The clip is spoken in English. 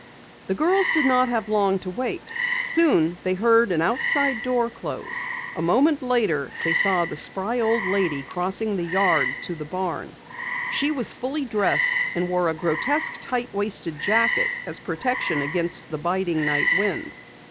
The girls did not have long to wait. Soon they heard an outside door close. A moment later they saw the spry old lady crossing the yard to the barn. She was fully dressed and wore a grotesque tight waisted jacket as protection against the biting night wind.